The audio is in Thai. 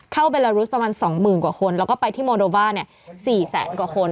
เบลารุสประมาณ๒๐๐๐กว่าคนแล้วก็ไปที่โมโดบ้าเนี่ย๔แสนกว่าคน